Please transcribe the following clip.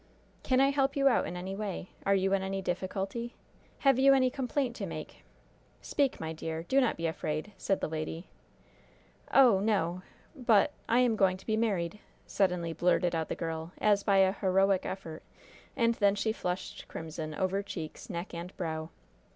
"Can I help you out in any way? Are you in any difficulty? Have you any complaint to make? Speak, my dear. Do not be afraid," said the lady. "Oh, no but I am going to be married!" suddenly blurted out the girl, as by a heroic effort, and then she flushed crimson over cheeks, neck and brow.